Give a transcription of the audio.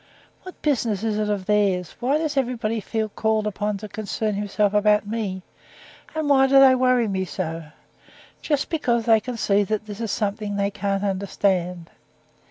"What business is it of theirs? Why does everybody feel called upon to concern himself about me? And why do they worry me so? Just because they see that this is something they can't understand.